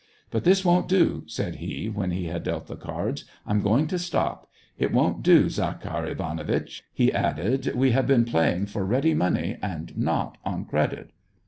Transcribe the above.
" But this won't do," said he, when he had dealt the cards. " I'm going to stop. It won't do, Zakhar Ivanitch," he added, "we have been playing for ready money and not on credit."